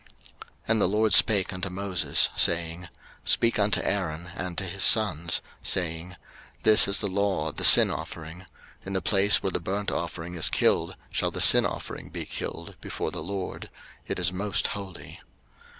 03:006:024 And the LORD spake unto Moses, saying, 03:006:025 Speak unto Aaron and to his sons, saying, This is the law of the sin offering: In the place where the burnt offering is killed shall the sin offering be killed before the LORD: it is most holy.